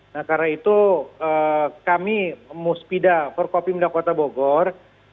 nah karena itu kami muspida forkopimda kota bogor